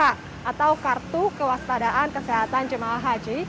atau kartu kewaspadaan kesehatan jemaah haji